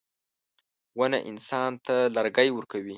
• ونه انسان ته لرګي ورکوي.